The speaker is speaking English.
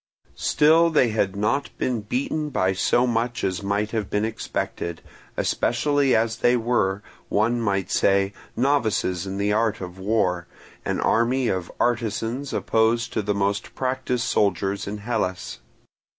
Still they had not been beaten by so much as might have been expected, especially as they were, one might say, novices in the art of war, an army of artisans opposed to the most practised soldiers in Hellas.